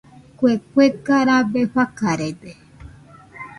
Kue kuega rabe rafarede.